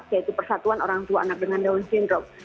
yaitu persatuan orang tua anak dengan down syndrome